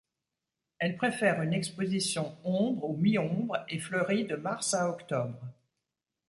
Elle préfère une exposition ombre ou mi-ombre et fleurit de mars à octobre.